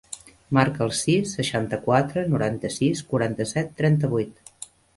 Marca el sis, seixanta-quatre, noranta-sis, quaranta-set, trenta-vuit.